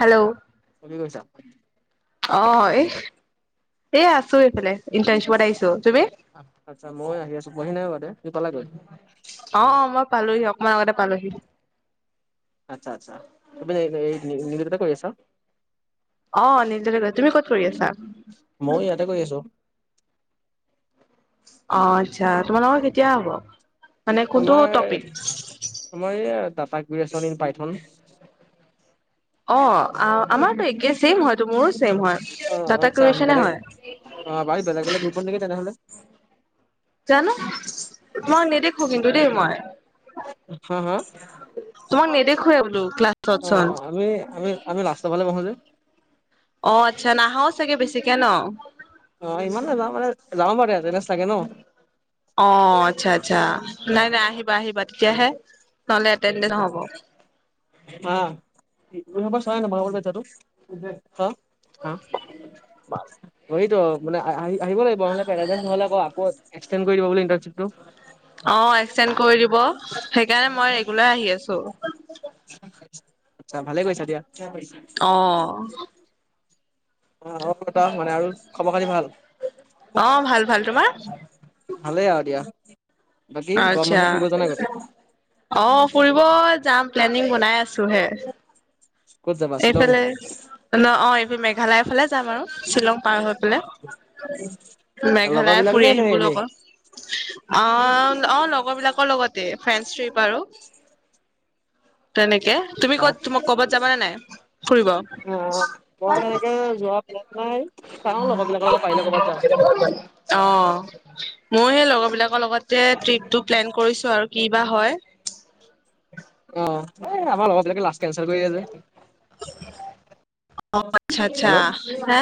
Hello! অ কি কৈছা অ এহ, এই আছো এইফালে ইণ্টাৰ্নশ্বিপত আহিছো। তুমি? আ আচ্ছা মই আহি আছোঁ। পোৱাহি নাই মানে, তুমি পালাগৈ? অ, ' অ' মই পালোঁহি। অকমান আগতে পালোঁহি। আচ্ছা, আচ্ছা তুমি এই [unintelligible] কৰি আছ? অ [unintelligible] তুমি ক'ত কৰি আছা? ময়ো ইয়াতে কৰি আছো। অ আচ্ছা তোমালোকৰ কেতিয়া হ'ব? মানে কোনটো আমাৰ টপিক? আমাৰ এইয়া টাটা ক্ৰেচন ইন পাইথন। অ আ আমাৰতো একে ছেম হয়টো মোৰ ছেম অ হয়। টাটা আচ্ছা ক্ৰেচনে বেলেগ হয়। অ ভাই বেলেগ বেলেগ গ্ৰুপত নেকি তেনেহ'লে। জানো! মই নেদেখো কিন্তু দেই মই। হা হা তোমাক নেদেখোৱে বোলো ক্লাছত অ চুন। আমি আমি আমি লাষ্ট ত ফালে বহোঁ যে। অ আচ্ছা নাহ চাগে বেছিকে ন? অ ইমান নেযাওঁ মানে, যাওঁ মানে এতেন্দেন্স লাগে ন। অ আচ্ছা আচ্ছা। নাই নাই আহিবা আহিবা তেতিয়াহে, নহ'লে এটেনডেন্ট নহ'ব [unintelligible] আ, [unintelligible] হা। হা। [unintelligible] অয়িত' মানে আহি-আহিব লাগিব নহ'লে পেৰাডছ নহ'লে আক-আকৌ এক্সটেণ্ড কৰি দিব বুলি ইন্টাৰস্বিপটো। অ' এক্সটেণ্ড কৰি দিব সেইকাৰণে মই ৰেগুলাৰ আহি আছোঁ। আচ্ছা ভালেই কৰিছা দিয়া। অ'। অ' [unintelligible] মানে আৰু খবৰ খতি ভাল? অ', ভাল ভাল তোমাৰ? ভালেই আৰু দিয়া। বাকী গৰম আচ্ছা মাহত ফুৰিব যোৱা নাই ক'তো? অ' ফুৰিব যাম, প্লেনিং বনাই আছোঁ হে। ক'ত যাবা শ্বিলং এইফালে ন' অ' এইফাল মেঘালয়ৰ ফালে যাম আৰু শ্বিলং পাৰ হৈ ফালে, লগৰ মেঘালয়া বিলাক ফুৰি নে নে আহিম বোলো এনেই অকল। আ, অ' লগৰবিলাকৰ লগতে, ফ্ৰেন্স ট্ৰিপ আৰু। তেনেকে, তুমি ক'ত তোমা ক'বাত যাবা নে নাই? ফুৰিব? অ' মই তেনেকে যোৱা প্লেন নাই, চাও লগৰবিলাকৰ লগত পাৰিলে ক'বাত যাওঁ। [unintelligible] অ' মই সেই লগৰবিলাকৰ লগতে ট্ৰিপটো প্লেন কৰিছোঁ আৰু কি বা হয়। অ' এ, আমাৰ লগৰবিলাকে লাষ্ট কেনচেল কৰি দিয়ে যে। হেল্ল'। হে,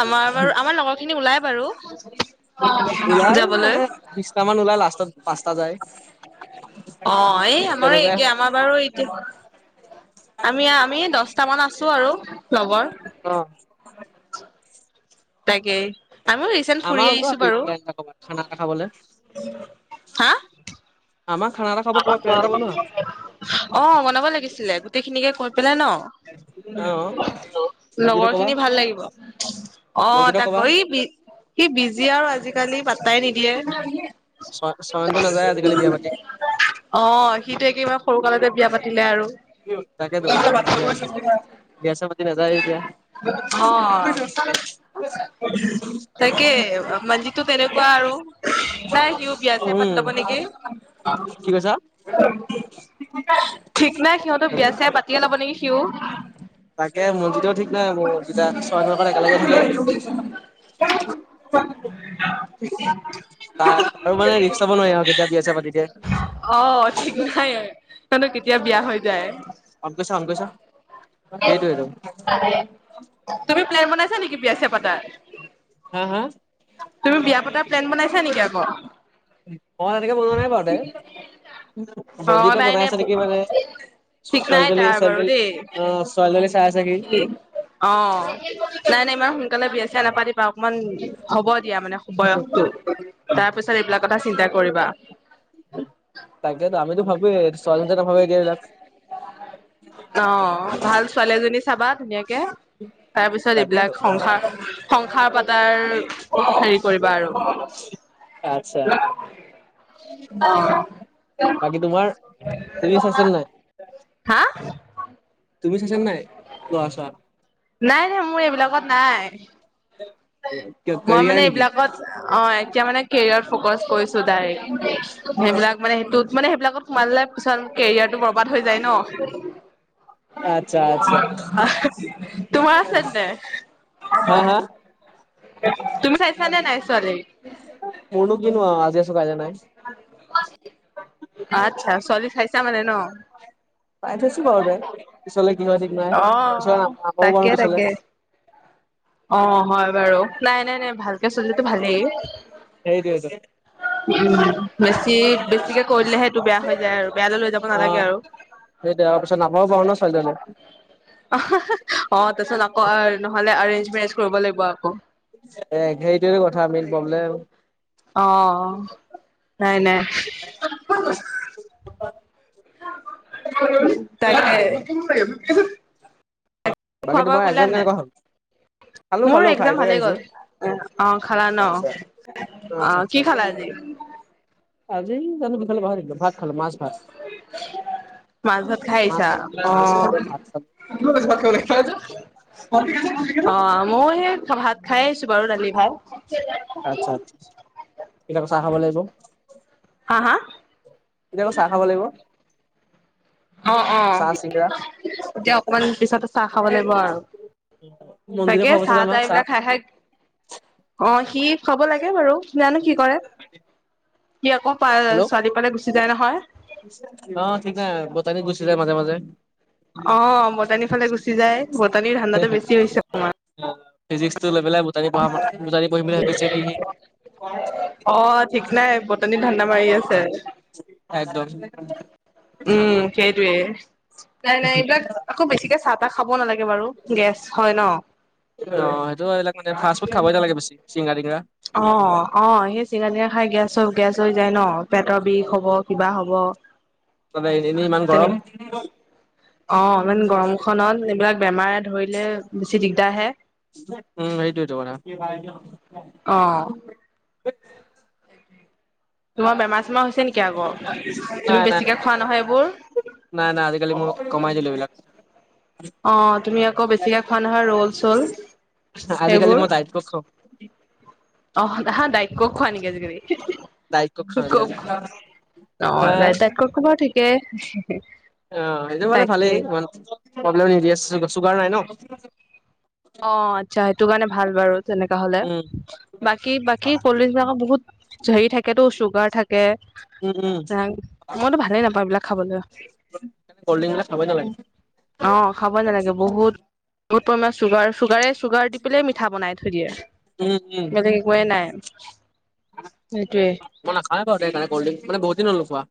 আমাৰ বাৰু আমাৰ লগৰখিনি ওলাই বাৰু। ওলাই যাবলৈ মানে বিছটা মান ওলাই, লাষ্টত পাঁচটা যায়। অ এই [unintelligible] আমাৰ এই তেনেকুৱাই হয় নি আমাৰ বাৰু এতিয়া আমি আমি দচটামান আছোঁ আৰু লগৰ। অ'। তাকেই, আমিও ৰিচেণ্ট ফুৰি আহিছোঁ বাৰু। খানাখা খাবলে। হা আমাৰ খানা এটা খাব ক'ৰবাত প্লেন এটা বনোৱা অ' বনাব লাগিছিলে, গোটেইখিনিকে কৈ পেলাই ন'? অ', [unintelligible] মঞ্জিতক ক'বা লগৰখিনি ভাল লাগিব। অ' মঞ্জিতক ক'বা তাকৌ, ই বি, সি বিজি আৰু আজিকালি পাত্তাই নিদিয়ে। চয় চয়ন্ত নাযায় আজিকালি বিয়া পাতি। অ' সিতো একেবা সৰু কালতে বিয়া পাতিলে আৰু। তাকেইতো বিয়া, বিয়া চিয়া পাতি নাযায়ে এতিয়া। অ' তাকে, মানজিতো তেনেকুৱা আৰু। নাই, সিও বিয়া চিয়া পাতি উম, ল'ব নেকি। কি কৈছা? ঠিক নাই সিহঁতো বিয়া চিয়াই পাতিয়ে ল'ব নেকি। সিও। তাকে মঞ্জিতেও ঠিক নাই, মঞ্জিতা ছয়ভাগৰ একেলগে থাকে। [unintelligible] তা আৰু মানে ৰিক্স ল'ব নোৱাৰি আৰু কেতিয়া বিয়া আছে পাতি দিয়ে। অ' ঠিক নাই মানে কেতিয়া বিয়া হৈ যায়। সেইটোৱেইতো। তুমি প্লেন বনাইছা নেকি বিয়া চিয়া পাতাৰ? হা, হা? তুমি বিয়া পতাৰ প্লেন বনাইছা নেকি আকৌ? অ' তেনেকে বনোৱা নাই বাৰুতে। অ চঞ্জিপে নাই বনাই নাই আছে নেকি মানে? ঠিক নাই ছোৱালী-টোৱালি, তাৰ বাৰু ছোৱালী-টোৱলি, দেই অ' ছোৱালী-টোৱালী চাই আছে সি। অ নাই নাই, ইমান সোনকালে বিয়া-চিয়া নাপাতিবা, অকমান হ'ব দিয়া মানে বয়সটো। তাৰ পিছত এইবিলাক কথা চিন্তা কৰিবা। তাকেতো আমিতো ভাবোৱে স্বাধীনতাভাৱে অ' ভাল ছোৱালী এজনী চাবা ধুনীয়াকে। তাৰপিছত তাকেতো এইবিলাক সংসাৰ-সংসাৰ পাতাৰ হেৰি কৰিবা আৰু। আতছা। বাকী, তোমাৰ ক্ৰিছ আছিল নাই? হা? তুমি চাইচানে নাই? ল'ৰা চোৱা নাই নাই, মোৰ এইবিলাকত নাই। মই কেৰিয়াৰ মানে নেকি এইবিলাকত, অ' এতিয়া মানে কেৰিয়াৰ ফকাচ কৰিছোঁ ডাইৰেক্ট, সেইবিলাক মানে সেইটোত মানে সেইবিলাকত সোমাই ললে পিছত কেৰিয়াৰটো বৰবাদ হৈ যায় ন। [inaudible] অ'। তোমাৰ আছেনে হা নাই? হা তুমি চাইছা নে নাই ছোৱালী? মোৰনো কিনো, আজি আছো কাইলে নাই। আচ্ছা, ছোৱালী চাইছা মানে ন। চাই থৈছো বাৰু তে, পিছলে কি হয় ঠিক নাই, অ পিছ [unintelligible] তাকে বাৰু পিছলে তাকে অ হয় বাৰু, নাই নাই নাই, ভালকে চালেটো ভালেই। [unintelligible] উম' বেছি-বেছিকে কৈ দিলে সেইটো বেয়া হৈ যায় আৰু, বেয়ালৈ লৈ যাব নালাগে আৰু। সেই [unintelligible] পিছত নাপাবও পাৰো ন, ছোৱালী-টোৱালী। অ' তাৰপিছত আকৌ নহলে এৰেঞ্জ মেৰেজ কৰিব লাগিব আকৌ। এ, সেইটোয়ে কথা মেন প্ৰব্লেম। অ', নাই নাই। তাকে [unintelligible] খোৱা বাকী বোৱা তোমাৰ কৰিলা একজাম নাই কেনেকুৱা হ'ল? খালো মোৰ খালো খাই একজাম কৰি ভালেই আহিছো গ'ল, অ খালা ন? আচ্ছা আচ্ছা অ'। আচ্ছা কি খালা আজি? আজি জানো কি খালোঁ পাহৰি থাকিলোঁ, ভাত খালো। মাছ, ভাত। মাছ, ভাত খাই মাছ আহিছা। বাহ মাছ খালো ভাত খালো অ' মইয়ো সেই ভাত খাই আহিছো বাৰু। দালি, ভাত আচ্ছা, এতিয়া চাহ খাব লাগিব। হা, হা? এতিয়া আকৌ চাহ খাব লাগিব। অ', অ'। চাহ চিঙৰা এতিয়া অকমান পিছত চাহ খাব লাগিব আৰু। মন্দিৰে তাকে খোৱাব চাগে চাহ-তাহ আমাক চাহ এইবিলাক খাই খাই অ', সি খোৱাব লাগে বাৰু, জানো কি কৰে। সি আকৌ পায় হেল্ল' ছোৱালী পালে গুচি যায় নহয়। অ' ঠিক নাই, বোটানী গুচি যায় মাজে মাজে। অ' বটানীৰ ফালে গুচি যায়, বটানীৰ ধান্দাটো বেছি হৈছে অকমান। ফিজিক্সটো লৈ পেলাই বুটানী পঢ়া বুটানী পঢ়িম বুলি ভাবি আছে নেকি সি। অঁ, ঠিক নাই বটনিত ধান্দা মাৰি আছে। [unintelligible] উম সেইটোৱে, নাই নাই এইবিলাক একো বেছিকে চাহ তাহ খাব নালাগে বাৰু গেছ হয় ন। অঁ সেইটো হয়, এই বিলাক মানে ফাষ্ট ফুড খাবই নালাগে বেছি চিংৰা তিংৰা। অঁ অঁ, সেই চিংৰা তিংৰা খাই গেছ গেছ হৈ যায় ন পেটৰ বিষ হব কিবা হব। তাতে এনেই ইমান গৰম। তেনেক খনত এইবিলাক বেমাৰে ধৰিলে বেছি দিগদাৰহে। উম সেইটোৱেটো কথা। অঁ তোমাৰ বেমাৰ চেমাৰ হৈছে নেকি আকৌ, নাই তুমি নাই বেছিকে খোৱা নহয় এইবোৰ। নাই নাই আজিকালি মই কমাই দিলো এইবিলাক। অঁ তুমি আকৌ বেছিকে খোৱা নহয় ৰল চল সেইবোৰ। চব চব অঁ হা দাইক কক খোৱা নেকি আজিকালি ডাইট খাওঁ কক আজিকালি অঁ, হা দাইক ক'কটো বাৰু ঠিকেই। অ' সেইটো মানে ভালেই তাকে ইমান প্ৰব্লেম দি আছে চুগাৰ নাই ন। অঁ আচ্ছা সেইটো কাৰণে ভাল বাৰু। তেনেকা হলে উম বাকী বাকী কলল্ড্ৰিং বিলাকৰ বহুত হেৰি থাকেতো চুগ চুগাৰ থাকে, উম উম মইতো ভালেই নাপাওঁ এইবিলাক খাবলে। কলল্ড্ৰিং খাবই নালাগে। অঁ, খাবই নালাগে বহুত বহুত পৰিমাণে চুগাৰ চুগ চুগাৰ দি পেলাই মিঠা বনাই। থৈ দিয়ে, উম উম বেলেগ একোৱে নাই সেইটোৱে। মই নাখাওঁয়ে বাৰু কলল্ড্ৰিং বহুদিন হল নোখোৱা।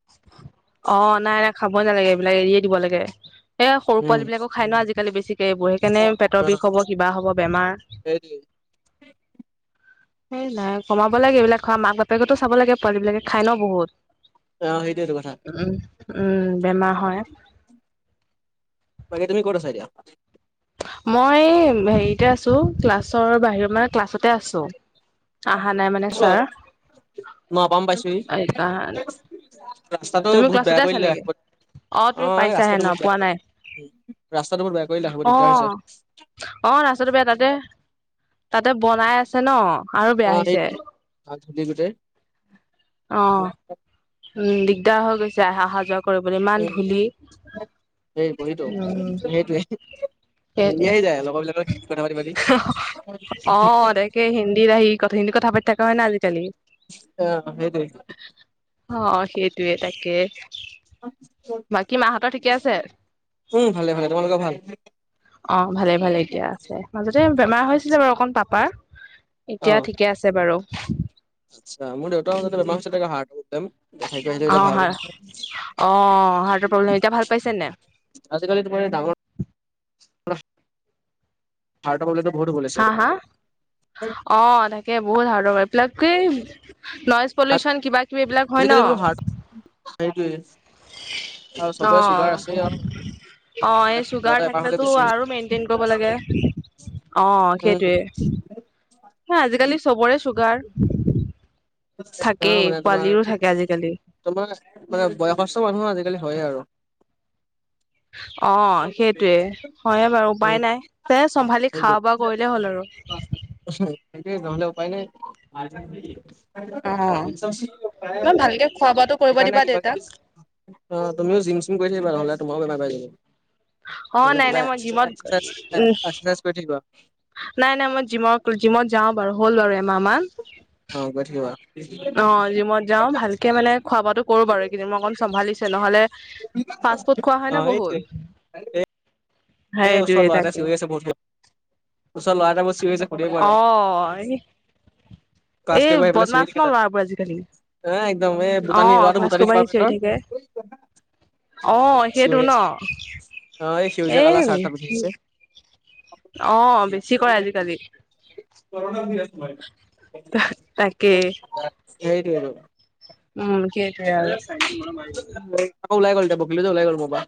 অ নাই খাবই নালাগে এইবিলাক, এৰিয়ে দিব লাগে। এ সৰু উম পোৱালী বিলাকো খাই ন আজিকালি বেছিকে এইবোৰ সেইকাৰণে পেটৰ অ' বিষ হব, কিবা হব বেমাৰ। সেইটোৱে সেই নাই কমাব লাগে এইবিলাক খোৱা, মাক বাপেক কে টো চাব লাগে, পোৱালিবিলাক খাই ন বহুত। অঁ, সেইটোয়েটো কথা। উমহ উম বেমাৰ হয়। বাকী তুমি কত আছা এতিয়া? মই হেৰিতে আছো ক্লাছৰ বাহিৰত মানে ক্লাছতে আছো। অহা নাই মানে আছো ছাৰ, আৰু মই অপাম পাইছোহি এই অহা নাই। ৰাস্তাটো তুমি বহুত বেয়া ক্লাছতে কৰি আছা দিলে নেকি? আহিব অ তুমি পাইছাহে নহ পোৱা নাই। উম ৰাস্তাটো বৰ বেয়া কৰিলে, আহিব অ দিগদাৰ হৈছে। অ ৰাস্তাটো বেয়া তাতে, তাতে বনাই আছে ন আৰু বেয়া হৈছে। অঁ ভিতৰি ভিতৰি অঁ [inaudible] উম দিগদাৰ হৈ গৈছে আহা যোৱা। কৰিবলৈ ইমান উম ধূলি, সেই বহীটো উম সেইটোৱে হিন্দী সেইটোৱে, আহি যায় লগৰ বিলাকৰ হিন্দী কথা পাতি পাতি অঁ তাকে হিন্দীত আহি। ত, কথা পাতি থাকা হয় ন আজিকালি। অ' সেইটোয়। অ' সেইটোৱে তাকে, বাকী মাহঁতৰ ঠিকে আছে? উম ভালে ভালে, তোমালোকৰ ভাল? অ' ভালে ভালে এতিয়া আছো এতিয়া, মাজতে বেমাৰ হৈছিলে বাৰু অকমান পাপাৰ। অ এতিয়া ঠিকে আছে বাৰু। আচ্ছা মোৰ দেউতাও মাজতে বেমাৰ হৈছে হাৰ্ট প্ৰব্লেম দেখাই আহিলে অ এতিয়া ভাল। হয় অ' হাৰ্টৰ প্ৰব্লেম এতিয়া ভাল পাইছে নে নাই? আজিকালি তোমাৰ ডাঙৰ। প্ৰ্ [inaudible] হাৰটা বলে ভ ব [inaudible] হা হা? অ তাকে বহুত ধ এই পিলাক নইজ পলিউচন কিবা [unintelligible] কিবি এইবিলাক হয় ন? আজিকালি বোলো হাৰ্ট সেইটোৱে। আৰু চবৰে অঁ। চুগাৰ আছে আৰু অ' এই কিবা চুগাৰ এটা এবাৰ হলে থাকিলেতো বেছি হৈছে আৰু মেইনটেইন কৰিব লাগে, অ' উম সেইটোৱে। হে আজিকালি চবৰে চুগাৰ। অ' থাকেই মানে তোমাৰ, পোৱালিৰো থাকে আজিকালি তোমাৰ মানে বয়সস্থ মানুহ আজিকালি হয়ে আৰু। অ' সেইটোৱে। হয়য়ে বাৰু উম উপায় নাই, তে চম্ভালি খাোৱা বোৱা কৰিলে হ'ল আৰু। সেইটোৱেই নহলে উপাই নাই। অ ইমান ভালকে খোৱা বোৱাটো কৰিব সেইকাৰণে দিবা কিবা- দেউতাক কিবি। অ' তুমিও জিম চিম কৰি থাকিবা, নহলে তোমাৰো বেমাৰ পাই যাব। অ নাই নাই মই িবজ জিমত কৰি উ থিব [inaudible] নাই নাই, মই জিমৰ জিমত যাওঁ বাৰু হ'ল বাৰু এমাহ মান। অ' গৈ থাকিবা। অ' জিমত যাও ভালকে মানে খোৱা বোৱাতো কৰো বাৰু এইকেইদিন মই অকণ চম্ভালিছে নহলে। ফাছপৰ্ট খোৱা হয় অ ন বহুত। এ ওচৰ সেইটোয়ে ল' এটা তাকে চিৰি আছেহুত ওচৰ'ৰা এটা বহুত চিৰি আছে [unintelligible] অ' ক্লাছ এই কৰিব আহি পেলাই চিঞৰি বদমাছ থাকে ন তাতে ল'ৰাবোৰ আজিকালি। এ' একদম এই ভূটানী অ লৰাটো ক্লাছ ভূটানী কৰিব দিবা আহি চিঞৰি পতৰ। থাকে অ শ সেইটো ন চ অ এই শেউজে এ কল চ্থপধছে [unintelligible] অ' বেছি কৰে আজিকালি। তাকেই [inaudible] উম, সেইটোৱেই আৰু। অ ওলাই গ'ল তেওঁ বকিিল যে লাই গ'ল মুবা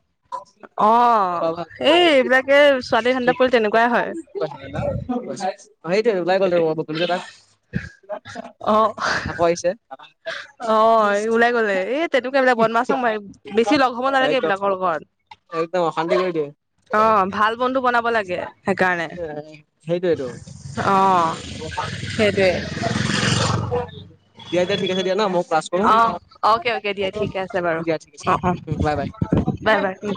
অ [unintelligible] এই এইবিলাকে ছোৱালী ধান্দাত পৰিলে তেনেকুৱাই হয়। [inaudible] অ সেইটোৱে ওলাই গ'ল বকিলো যে তাক, অ আকৌ আহিছে। অ' ওলাই গলে এ' তেনেকুৱা এইবিলাক বদমাছ বেছি লগ হ'ব নালাগে একদম এইবিলাকৰ লগত। একদম অশান্তি কৰি দিয়ে। অ' ভাল বন্ধু বনাব লাগে সেইকাৰণে অ'। অ [inaudible] সেইটোৱে দিয়া দিয়া ঠিক আছে দিয়া ন, মই ক্লাছ কৰো অ দিয়া। অকে অকে দিয়া ঠিকে আছে বাৰু অ অ বাই বাই। Bye bye